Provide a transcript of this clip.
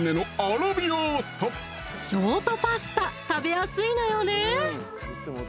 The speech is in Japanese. ショートパスタ食べやすいのよね